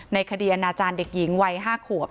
ในคดีอนาจารย์เด็กหญิงวัย๕ขวบ